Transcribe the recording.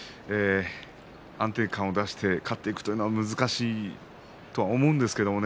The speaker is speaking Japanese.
安定感を出して勝っていくというのは難しいと思うんですけれどね